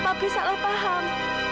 papi salah paham